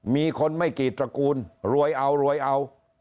มีคนไม่กี่ตระกูลรวยเอา